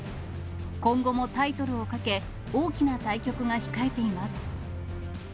今後もタイトルをかけ、大きな対局が控えています。